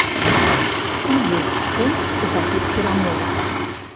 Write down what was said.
Ці ёсць сэнс у такіх перамовах?